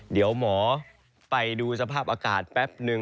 เดี๋ยวหมอไปดูสภาพอากาศแป๊บนึง